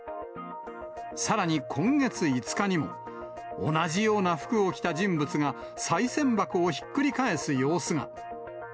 さらに今月５日にも、同じような服を着た人物が、さい銭箱をひっくり返す様子が。